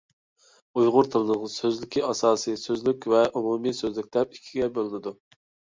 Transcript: ئۇيغۇر تىلىنىڭ سۆزلۈكى ئاساسىي سۆزلۈك ۋە ئومۇمىي سۆزلۈك دەپ ئىككىگە بۆلۈنىدۇ.